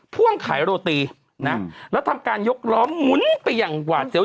พ่วงขายโรตีนะแล้วทำการยกล้อมหมุนไปอย่างหวาดเสียว